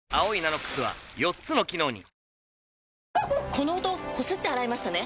この音こすって洗いましたね？